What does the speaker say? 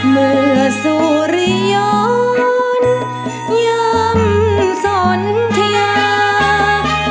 เมื่อสุริยรณยำสนทียาก